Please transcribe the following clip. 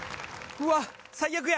うわっ最悪や。